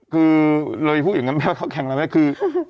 คือเลยพูดอย่างนั้นไม่ว่าเขาแข็งแรง